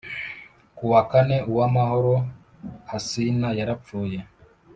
Ku wa kane Uwamahoro Hassina yarapfuye